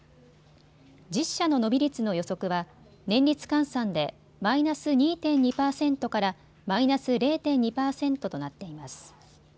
１０社の伸び率の予測は年率換算でマイナス２．２％からマイナス０．２％となっています。